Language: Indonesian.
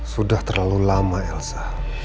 sudah terlalu lama elsa